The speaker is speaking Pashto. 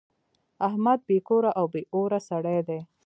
احمد بې کوره او بې اوره سړی دی.